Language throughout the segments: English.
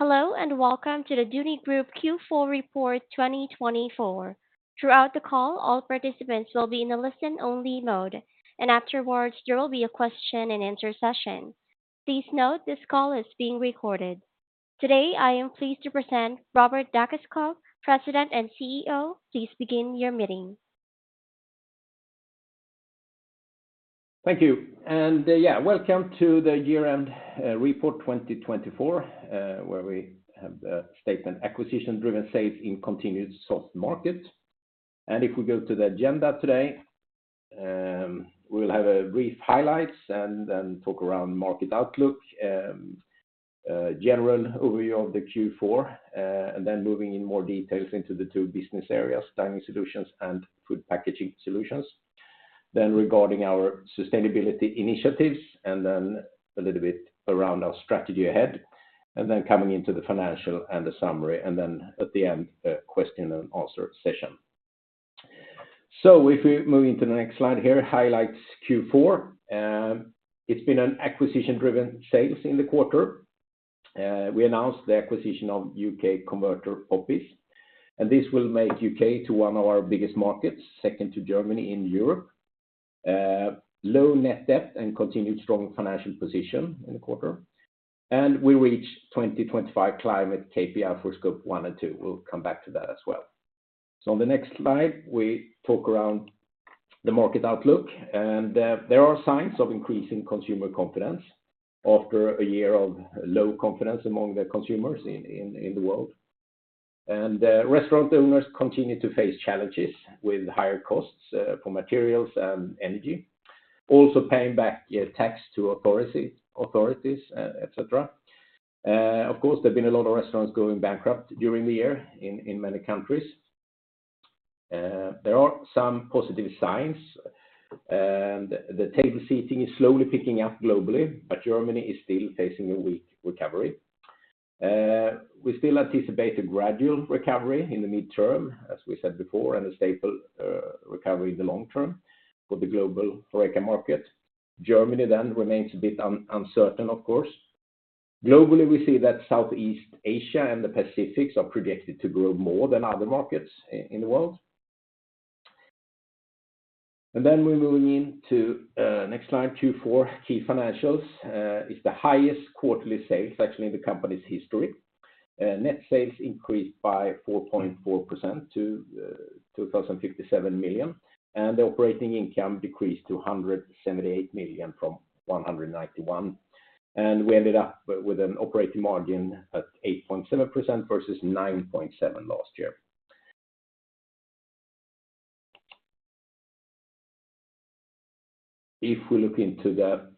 Hello and welcome to the Duni Group Q4 report 2024. Throughout the call, all participants will be in a listen-only mode, and afterwards there will be a question-and-answer session. Please note this call is being recorded. Today, I am pleased to present Robert Dackeskog, President and CEO. Please begin your meeting. Thank you, and yeah, welcome to the year-end report 2024, where we have the statement, "Acquisition-driven sales in continued soft market," and if we go to the agenda today, we'll have a brief highlights and then talk around market outlook, general overview of the Q4, and then moving in more details into the two business areas, Dining Solutions and Food Packaging Solutions. Then, regarding our sustainability initiatives, and then a little bit around our strategy ahead, and then coming into the financial and the summary, and then at the end, a question-and-answer session, so if we move into the next slide here, highlights Q4, it's been an acquisition-driven sales in the quarter. We announced the acquisition of U.K. Poppies, and this will make U.K. to one of our biggest markets, second to Germany in Europe. Low net debt and continued strong financial position in the quarter, and we reached 2025 climate KPI for Scope 1 and 2. We'll come back to that as well. On the next slide, we talk around the market outlook, and there are signs of increasing consumer confidence after a year of low confidence among the consumers in the world. Restaurant owners continue to face challenges with higher costs for materials and energy, also paying back tax to authorities, etc. Of course, there have been a lot of restaurants going bankrupt during the year in many countries. There are some positive signs, and the table seating is slowly picking up globally, but Germany is still facing a weak recovery. We still anticipate a gradual recovery in the midterm, as we said before, and a stable recovery in the long term for the global HoReCa market. Germany then remains a bit uncertain, of course. Globally, we see that Southeast Asia and the Pacific are projected to grow more than other markets in the world. We're moving into next slide, Q4 key financials. It's the highest quarterly sales, actually, in the company's history. Net sales increased by 4.4% to 2,057 million, and the operating income decreased to 178 million from 191 million. We ended up with an operating margin at 8.7% versus 9.7% last year. If we look into the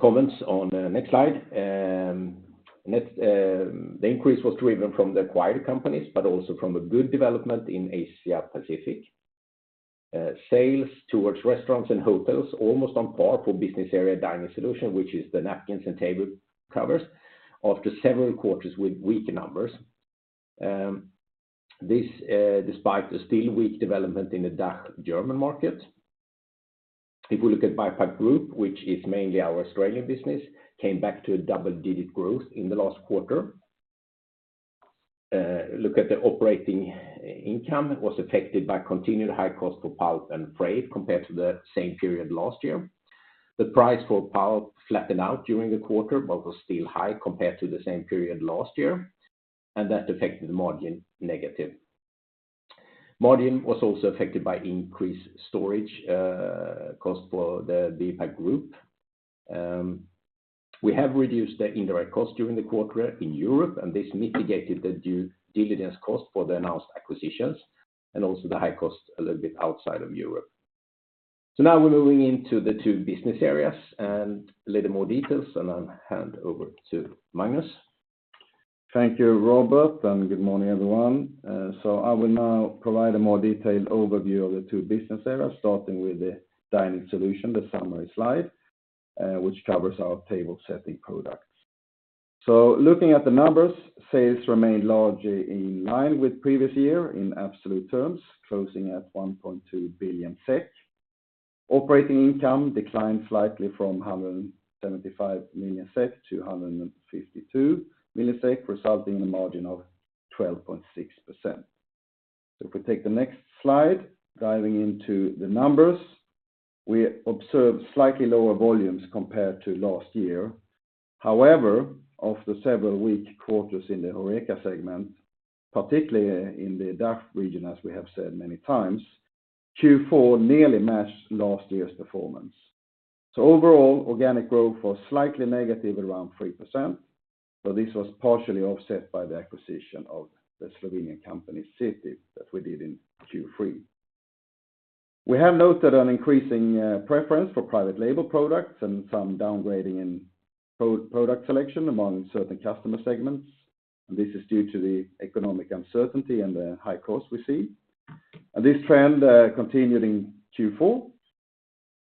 comments on the next slide, the increase was driven from the acquired companies, but also from a good development in Asia-Pacific. Sales towards restaurants and hotels almost on par for Business Area Dining Solution, which is the napkins and table covers, after several quarters with weaker numbers. This despite the still weak development in the DACH German market. If we look at BioPak Group, which is mainly our Australian business, came back to a double-digit growth in the last quarter. Look at the operating income was affected by continued high cost for pulp and freight compared to the same period last year. The price for pulp flattened out during the quarter, but was still high compared to the same period last year, and that affected the margin negative. Margin was also affected by increased storage cost for the BioPak Group. We have reduced the indirect cost during the quarter in Europe, and this mitigated the due diligence cost for the announced acquisitions and also the high cost a little bit outside of Europe. So now we're moving into the two business areas and a little more details, and I'll hand over to Magnus. Thank you, Robert, and good morning, everyone. So I will now provide a more detailed overview of the two business areas, starting with the Dining Solutions, the summary slide, which covers our table setting products. So looking at the numbers, sales remained largely in line with previous year in absolute terms, closing at 1.2 billion SEK. Operating income declined slightly from 175 million SEK to 152 million SEK, resulting in a margin of 12.6%. So if we take the next slide, diving into the numbers, we observe slightly lower volumes compared to last year. However, after several weak quarters in the HoReCa segment, particularly in the DACH region, as we have said many times, Q4 nearly matched last year's performance. So overall, organic growth was slightly negative around 3%, but this was partially offset by the acquisition of the Slovenian company Seti that we did in Q3. We have noted an increasing preference for private label products and some downgrading in product selection among certain customer segments, and this is due to the economic uncertainty and the high cost we see, and this trend continued in Q4.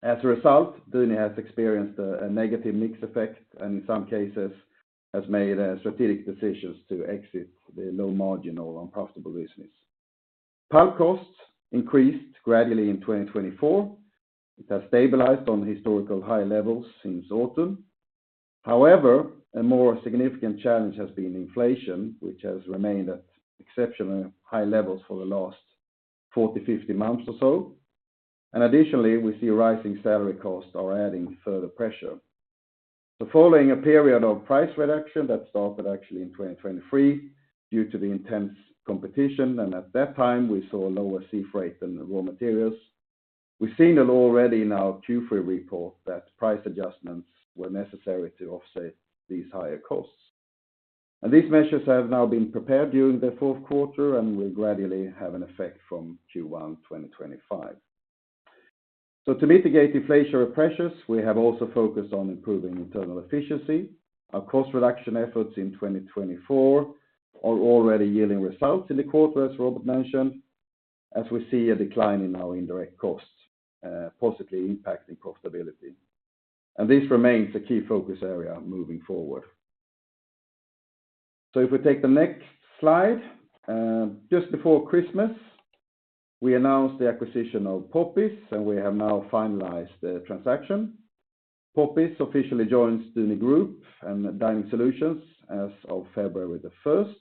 As a result, Duni has experienced a negative mix effect and in some cases has made strategic decisions to exit the low-margin or unprofitable business. Pulp costs increased gradually in 2024. It has stabilized on historical high levels since autumn. However, a more significant challenge has been inflation, which has remained at exceptionally high levels for the last 40, 50 months or so, and additionally, we see rising salary costs are adding further pressure. Following a period of price reduction that started actually in 2023 due to the intense competition, and at that time, we saw lower sea freight and raw materials, we've seen it already in our Q3 report that price adjustments were necessary to offset these higher costs. These measures have now been prepared during the fourth quarter and will gradually have an effect from Q1 2025. To mitigate inflationary pressures, we have also focused on improving internal efficiency. Our cost reduction efforts in 2024 are already yielding results in the quarter, as Robert mentioned, as we see a decline in our indirect costs, possibly impacting profitability. This remains a key focus area moving forward. If we take the next slide, just before Christmas, we announced the acquisition of Poppies, and we have now finalized the transaction. Poppies officially joins Duni Group and Dining Solutions as of February the 1st.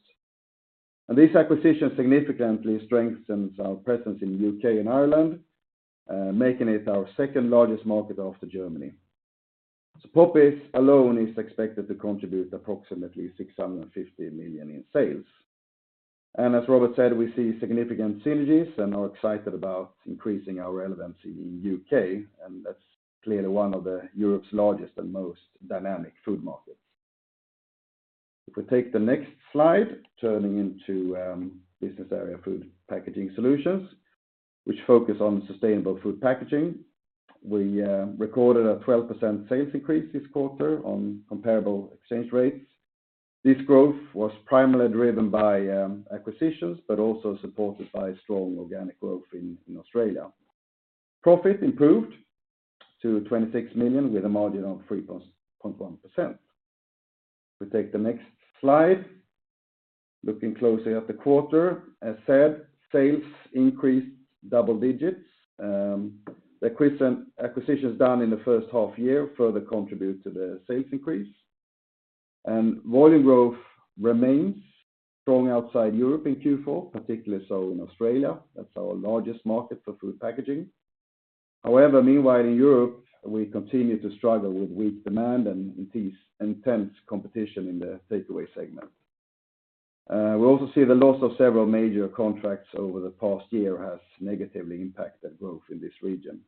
And this acquisition significantly strengthens our presence in the U.K. and Ireland, making it our second largest market after Germany. So Poppies alone is expected to contribute approximately 650 million in sales. And as Robert said, we see significant synergies and are excited about increasing our relevancy in the U.K., and that's clearly one of Europe's largest and most dynamic food markets. If we take the next slide, turning into business area Food Packaging Solutions, which focus on sustainable food packaging, we recorded a 12% sales increase this quarter on comparable exchange rates. This growth was primarily driven by acquisitions, but also supported by strong organic growth in Australia. Profit improved to 26 million with a margin of 3.1%. If we take the next slide, looking closer at the quarter, as said, sales increased double digits. The acquisitions done in the first half year further contribute to the sales increase, and volume growth remains strong outside Europe in Q4, particularly so in Australia. That's our largest market for food packaging. However, meanwhile in Europe, we continue to struggle with weak demand and intense competition in the takeaway segment. We also see the loss of several major contracts over the past year has negatively impacted growth in this region.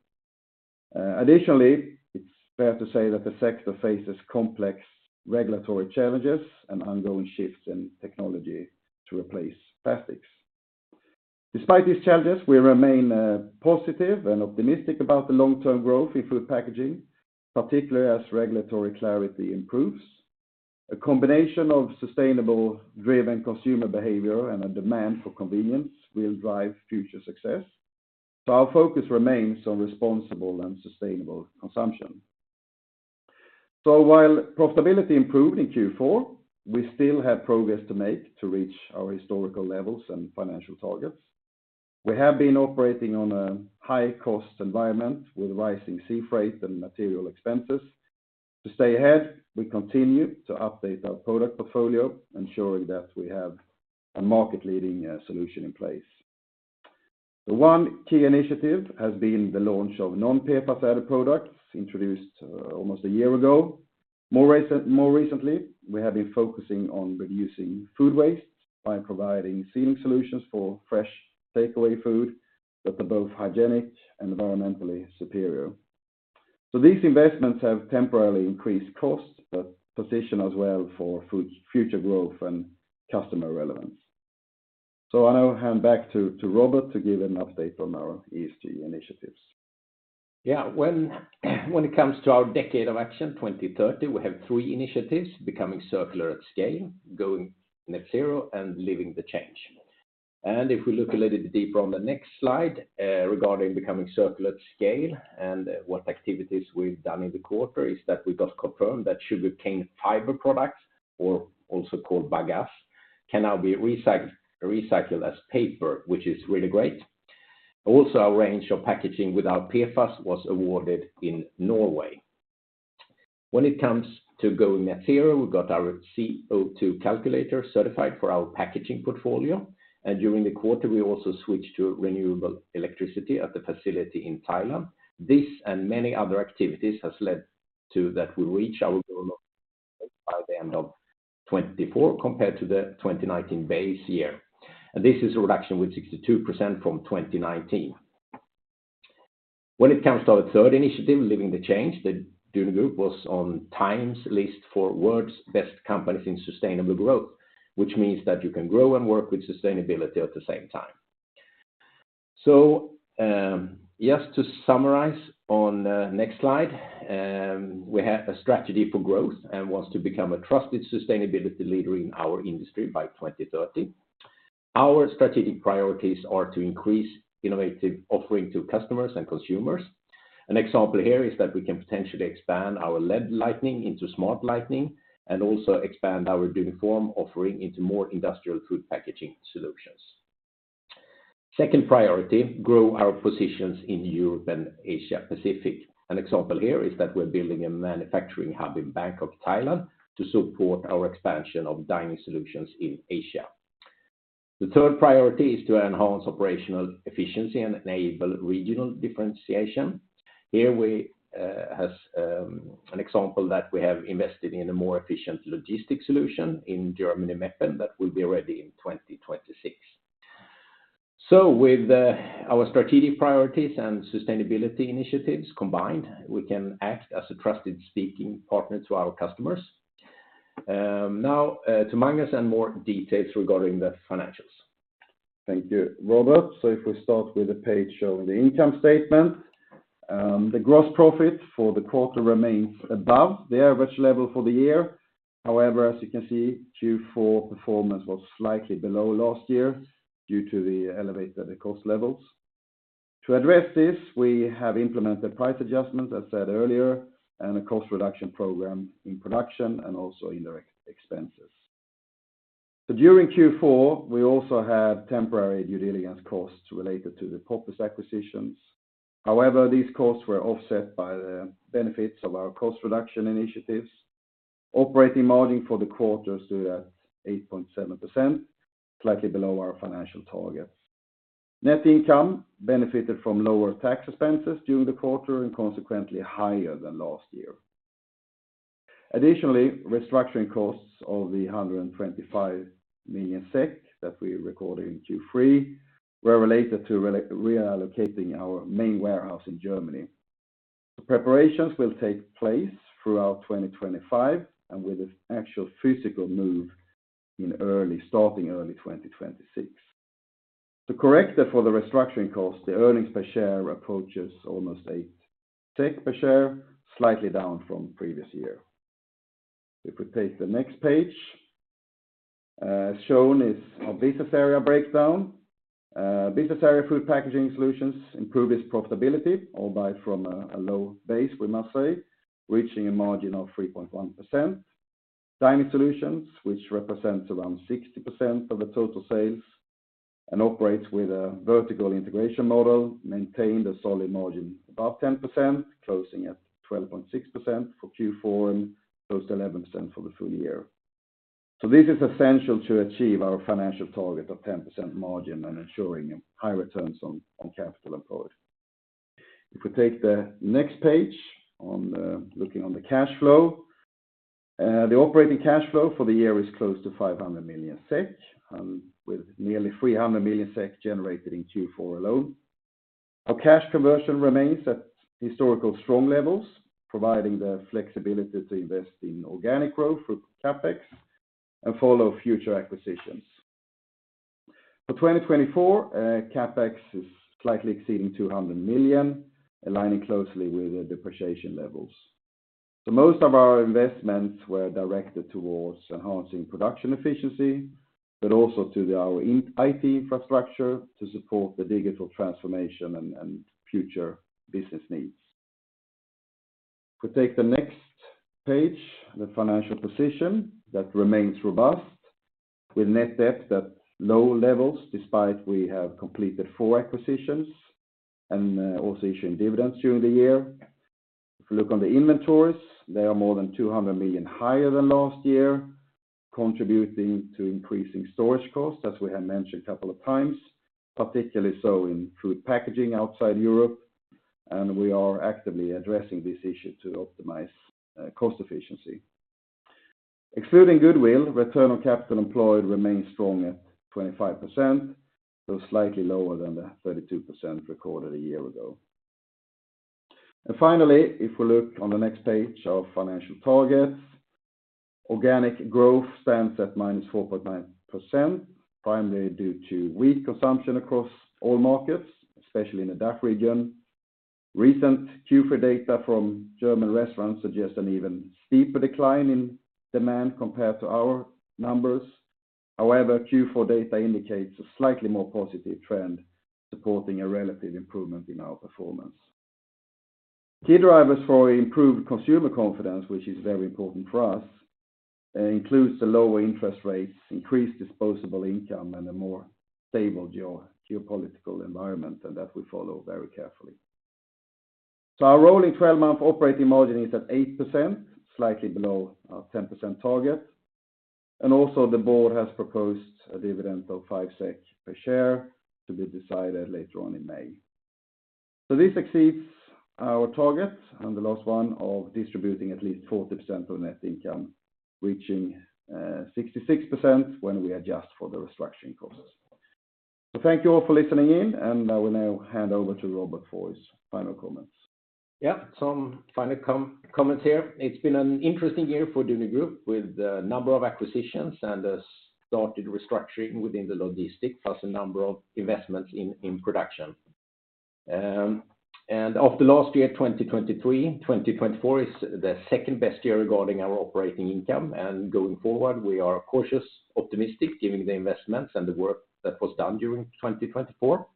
Additionally, it's fair to say that the sector faces complex regulatory challenges and ongoing shifts in technology to replace plastics. Despite these challenges, we remain positive and optimistic about the long-term growth in food packaging, particularly as regulatory clarity improves. A combination of sustainable driven consumer behavior and a demand for convenience will drive future success, so our focus remains on responsible and sustainable consumption. While profitability improved in Q4, we still have progress to make to reach our historical levels and financial targets. We have been operating in a high-cost environment with rising sea freight and material expenses. To stay ahead, we continue to update our product portfolio, ensuring that we have a market-leading solution in place. One key initiative has been the launch of non-PFAS added products introduced almost a year ago. More recently, we have been focusing on reducing food waste by providing sealing solutions for fresh takeaway food that are both hygienic and environmentally superior. These investments have temporarily increased costs, but position us well for future growth and customer relevance. I now hand back to Robert to give an update on our ESG initiatives. Yeah, when it comes to our decade of action, 2030, we have three initiatives: becoming circular at scale, going net zero, and living the change. If we look a little bit deeper on the next slide regarding becoming circular at scale and what activities we've done in the quarter, is that we got confirmed that sugarcane fiber products, or also called bagasse, can now be recycled as paper, which is really great. Also, our range of packaging with our PFAS was awarded in Norway. When it comes to going net zero, we got our CO2 calculator certified for our packaging portfolio. During the quarter, we also switched to renewable electricity at the facility in Thailand. This and many other activities have led to that we reach our goal of by the end of 2024 compared to the 2019 base year. This is a reduction with 62% from 2019. When it comes to our third initiative, living the change, the Duni Group was on TIME's list for world's best companies in sustainable growth, which means that you can grow and work with sustainability at the same time. So just to summarize on the next slide, we have a strategy for growth and want to become a trusted sustainability leader in our industry by 2030. Our strategic priorities are to increase innovative offering to customers and consumers. An example here is that we can potentially expand our LED lighting into smart lighting and also expand our Duniform offering into more industrial Food Packaging Solutions. Second priority, grow our positions in Europe and Asia-Pacific. An example here is that we're building a manufacturing hub in Bangkok, Thailand, to support our expansion of Dining Solutions in Asia. The third priority is to enhance operational efficiency and enable regional differentiation. Here we have an example that we have invested in a more efficient logistics solution in Germany, Meppen, that will be ready in 2026, so with our strategic priorities and sustainability initiatives combined, we can act as a trusted speaking partner to our customers. Now to Magnus and more details regarding the financials. Thank you, Robert. So if we start with the page showing the income statement, the gross profit for the quarter remains above the average level for the year. However, as you can see, Q4 performance was slightly below last year due to the elevated cost levels. To address this, we have implemented price adjustments, as said earlier, and a cost reduction program in production and also indirect expenses. So during Q4, we also had temporary due diligence costs related to the Poppies acquisitions. However, these costs were offset by the benefits of our cost reduction initiatives. Operating margin for the quarter stood at 8.7%, slightly below our financial targets. Net income benefited from lower tax expenses during the quarter and consequently higher than last year. Additionally, restructuring costs of 125 million SEK that we recorded in Q3 were related to reallocating our main warehouse in Germany. So preparations will take place throughout 2025 and with an actual physical move in early 2026. To correct that for the restructuring cost, the earnings per share approaches almost 8 per share, slightly down from previous year. If we take the next page, as shown is our business area breakdown. Business area Food Packaging Solutions improved its profitability, albeit from a low base, we must say, reaching a margin of 3.1%. Dining Solutions, which represents around 60% of the total sales and operates with a vertical integration model, maintained a solid margin above 10%, closing at 12.6% for Q4 and closed 11% for the full year. So this is essential to achieve our financial target of 10% margin and ensuring high returns on capital employed. If we take the next page on looking on the cash flow, the operating cash flow for the year is close to 500 million SEK and with nearly 300 million SEK generated in Q4 alone. Our cash conversion remains at historical strong levels, providing the flexibility to invest in organic growth through CapEx and follow future acquisitions. For 2024, CapEx is slightly exceeding 200 million SEK, aligning closely with the depreciation levels. So most of our investments were directed towards enhancing production efficiency, but also to our IT infrastructure to support the digital transformation and future business needs. If we take the next page, the financial position that remains robust with net debt at low levels despite we have completed four acquisitions and also issuing dividends during the year. If we look on the inventories, they are more than 200 million higher than last year, contributing to increasing storage costs, as we have mentioned a couple of times, particularly so in food packaging outside Europe. And we are actively addressing this issue to optimize cost efficiency. Excluding Goodwill, return on capital employed remains strong at 25%, though slightly lower than the 32% recorded a year ago. And finally, if we look on the next page of financial targets, organic growth stands at minus 4.9%, primarily due to weak consumption across all markets, especially in the DACH region. Recent Q4 data from German restaurants suggest an even steeper decline in demand compared to our numbers. However, Q4 data indicates a slightly more positive trend, supporting a relative improvement in our performance. Key drivers for improved consumer confidence, which is very important for us, include the lower interest rates, increased disposable income, and a more stable geopolitical environment that we follow very carefully, so our rolling 12-month operating margin is at 8%, slightly below our 10% target, and also the board has proposed a dividend of 5 SEK per share to be decided later on in May, so this exceeds our target and the last one of distributing at least 40% of net income, reaching 66% when we adjust for the restructuring costs, so thank you all for listening in, and I will now hand over to Robert for his final comments. Yeah, some final comments here. It's been an interesting year for Duni Group with a number of acquisitions and a started restructuring within the logistics plus a number of investments in production. And of the last year, 2023, 2024 is the second best year regarding our operating income. And going forward, we are cautious, optimistic, giving the investments and the work that was done during 2024.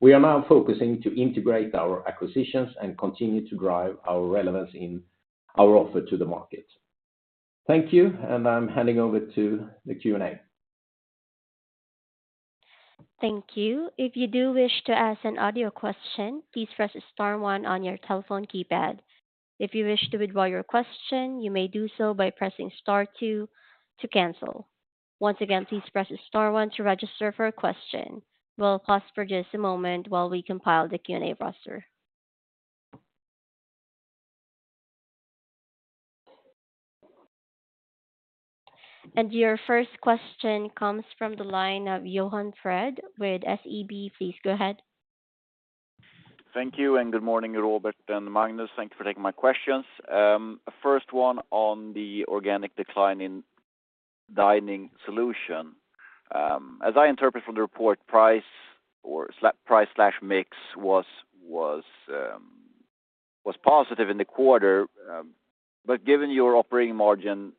We are now focusing to integrate our acquisitions and continue to drive our relevance in our offer to the market. Thank you, and I'm handing over to the Q&A. Thank you. If you do wish to ask an audio question, please press star one on your telephone keypad. If you wish to withdraw your question, you may do so by pressing star two to cancel. Once again, please press star one to register for a question. We'll pause for just a moment while we compile the Q&A roster. And your first question comes from the line of Johan Fred with SEB. Please go ahead. Thank you and good morning, Robert and Magnus. Thank you for taking my questions. First one on the organic decline in Dining Solution. As I interpret from the report, price/mix was positive in the quarter. But given your operating margin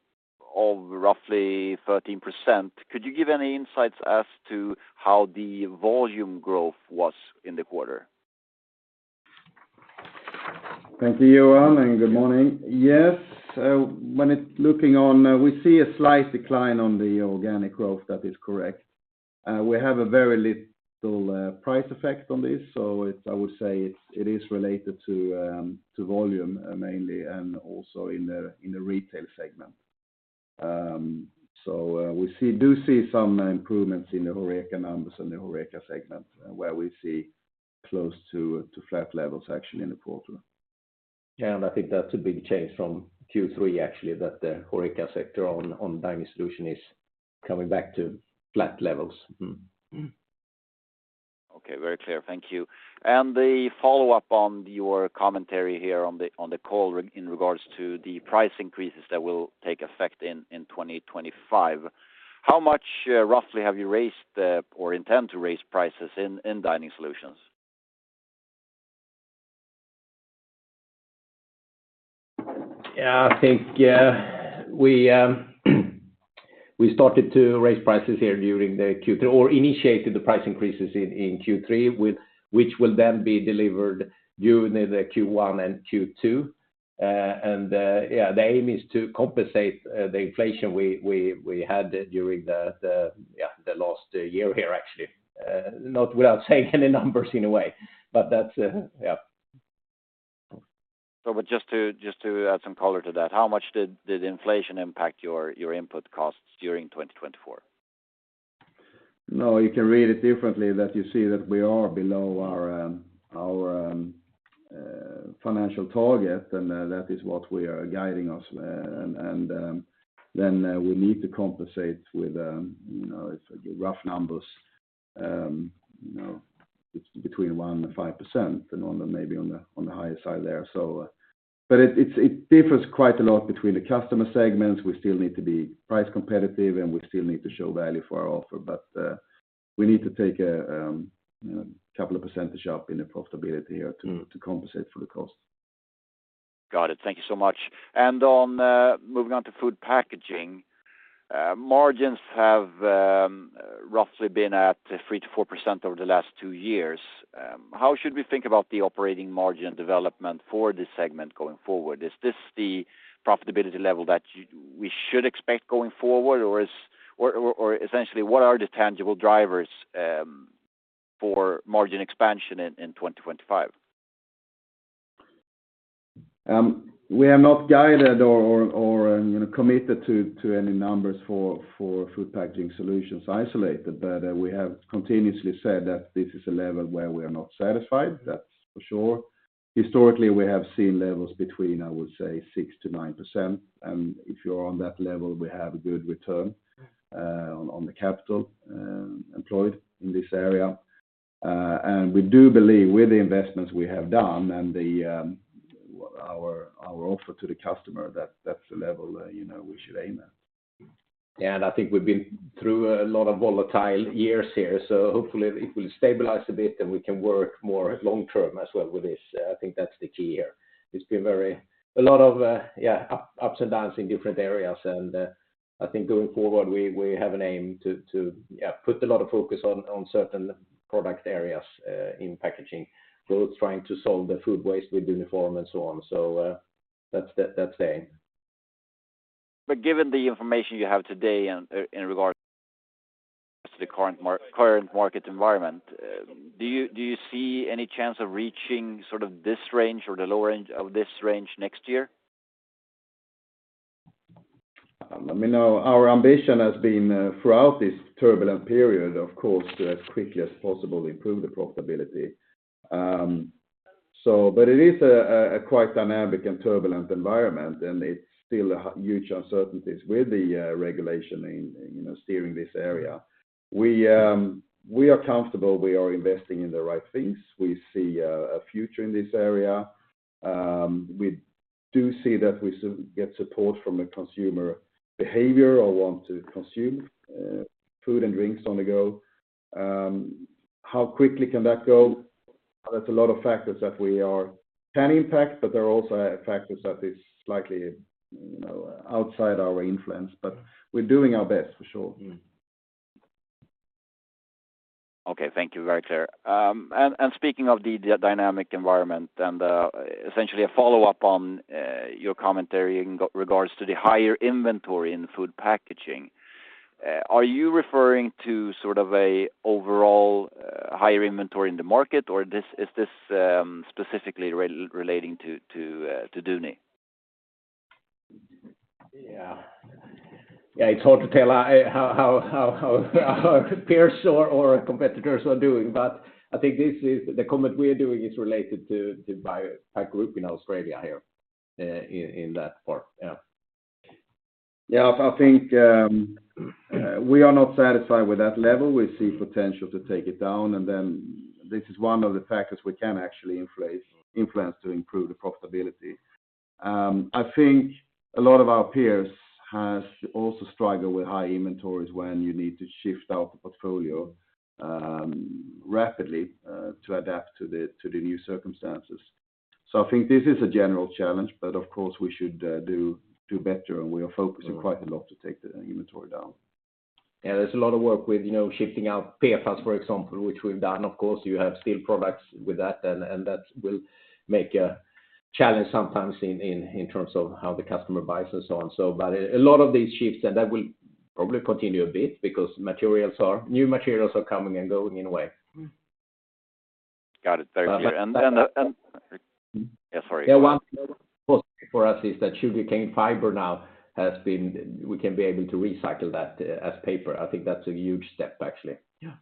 of roughly 13%, could you give any insights as to how the volume growth was in the quarter? Thank you, Johan, and good morning. Yes, when looking on, we see a slight decline on the organic growth. That is correct. We have a very little price effect on this. So I would say it is related to volume mainly and also in the retail segment. So we do see some improvements in the HoReCa numbers and the HoReCa segment where we see close to flat levels actually in the quarter. Yeah, and I think that's a big change from Q3 actually that the HoReCa sector on Dining Solution is coming back to flat levels. Okay, very clear. Thank you. And the follow-up on your commentary here on the call in regards to the price increases that will take effect in 2025, how much roughly have you raised or intend to raise prices in Dining Solutions? Yeah, I think we started to raise prices here during the Q3 or initiated the price increases in Q3, which will then be delivered during the Q1 and Q2. And yeah, the aim is to compensate the inflation we had during the last year here actually, not without saying any numbers in a way, but that's yeah. Robert, just to add some color to that, how much did inflation impact your input costs during 2024? No, you can read it differently that you see that we are below our financial target and that is what we are guiding us, and then we need to compensate with rough numbers between 1% and 5% and maybe on the higher side there, but it differs quite a lot between the customer segments. We still need to be price competitive and we still need to show value for our offer, but we need to take a couple of percentage up in the profitability here to compensate for the cost. Got it. Thank you so much. And on moving on to food packaging, margins have roughly been at 3%-4% over the last two years. How should we think about the operating margin development for this segment going forward? Is this the profitability level that we should expect going forward? Or essentially, what are the tangible drivers for margin expansion in 2025? We are not guided or committed to any numbers for Food Packaging Solutions isolated, but we have continuously said that this is a level where we are not satisfied, that's for sure. Historically, we have seen levels between, I would say, 6%-9%. And if you're on that level, we have a good return on the capital employed in this area. And we do believe with the investments we have done and our offer to the customer that that's the level we should aim at. Yeah, and I think we've been through a lot of volatile years here. So hopefully it will stabilize a bit and we can work more long-term as well with this. I think that's the key here. It's been a lot of, yeah, ups and downs in different areas. And I think going forward, we have an aim to put a lot of focus on certain product areas in packaging, both trying to solve the food waste with Duniform and so on. So that's the aim. But given the information you have today in regards to the current market environment, do you see any chance of reaching sort of this range or the lower range of this range next year? Let me know. Our ambition has been throughout this turbulent period, of course, to as quickly as possible improve the profitability. But it is a quite dynamic and turbulent environment, and it's still huge uncertainties with the regulation steering this area. We are comfortable we are investing in the right things. We see a future in this area. We do see that we get support from the consumer behavior or want to consume food and drinks on the go. How quickly can that go? There's a lot of factors that we can impact, but there are also factors that are slightly outside our influence. But we're doing our best for sure. Okay, thank you. Very clear. And speaking of the dynamic environment and essentially a follow-up on your commentary in regards to the higher inventory in food packaging, are you referring to sort of an overall higher inventory in the market, or is this specifically relating to Duni? Yeah. Yeah, it's hard to tell how peers or competitors are doing. But I think the comment we're doing is related to BioPak Group in Australia here in that part. Yeah. Yeah, I think we are not satisfied with that level. We see potential to take it down, and then this is one of the factors we can actually influence to improve the profitability. I think a lot of our peers have also struggled with high inventories when you need to shift out the portfolio rapidly to adapt to the new circumstances, so I think this is a general challenge, but of course, we should do better, and we are focusing quite a lot to take the inventory down. Yeah, there's a lot of work with shifting out PFAS, for example, which we've done. Of course, you have still products with that, and that will make a challenge sometimes in terms of how the customer buys and so on, so a lot of these shifts, and that will probably continue a bit because new materials are coming and going in a way. Got it. Very clear and yeah, sorry. Yeah, one thing for us is that sugarcane fiber now we can be able to recycle that as paper. I think that's a huge step actually. Yeah.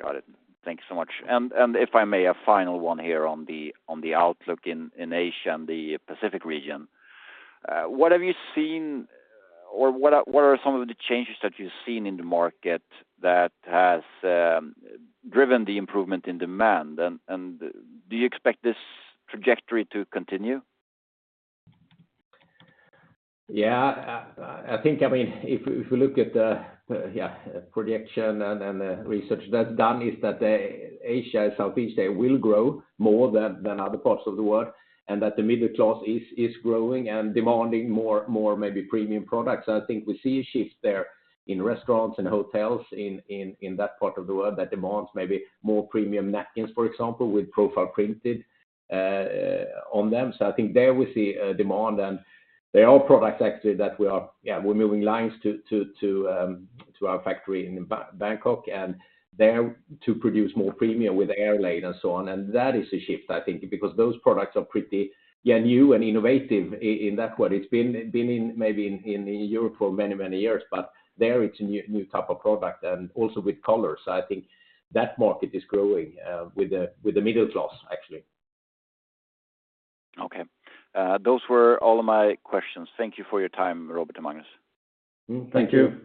Got it. Thank you so much. And if I may, a final one here on the outlook in Asia and the Pacific region. What have you seen, or what are some of the changes that you've seen in the market that has driven the improvement in demand? And do you expect this trajectory to continue? Yeah, I think. I mean, if we look at the projection and the research that's done, it's that Asia and Southeast, they will grow more than other parts of the world, and that the middle class is growing and demanding more maybe premium products. I think we see a shift there in restaurants and hotels in that part of the world that demands maybe more premium napkins, for example, with profile printed on them. So I think there we see a demand. And there are products actually that we are moving lines to our factory in Bangkok and there to produce more premium with airlaid and so on. And that is a shift, I think, because those products are pretty new and innovative in that way. It's been maybe in Europe for many, many years, but there it's a new type of product and also with colors. I think that market is growing with the middle class actually. Okay. Those were all of my questions. Thank you for your time, Robert and Magnus. Thank you.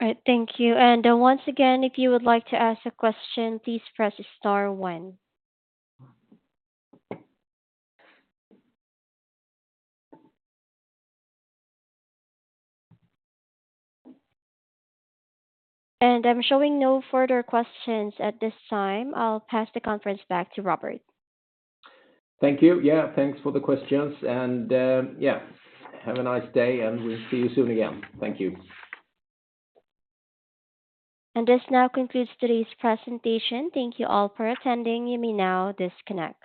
All right. Thank you. And once again, if you would like to ask a question, please press star one. And I'm showing no further questions at this time. I'll pass the conference back to Robert. Thank you. Yeah, thanks for the questions. And yeah, have a nice day, and we'll see you soon again. Thank you. This now concludes today's presentation. Thank you all for attending. You may now disconnect.